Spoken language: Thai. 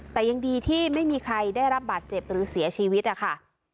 แต่ยังดีที่ไม่มีใครได้รับบาดเจ็บหรือเสียชีวิตนะคะ